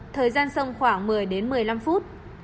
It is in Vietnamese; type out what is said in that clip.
thời gian sông khoảng một mươi đến một mươi năm phút